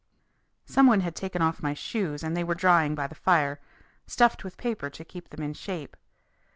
Some one had taken off my shoes and they were drying by the fire, stuffed with paper to keep them in shape.